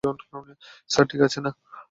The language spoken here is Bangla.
স্যার, ঠিক আছে না?